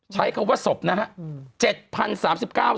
ใช้คำว่าสบนะครับ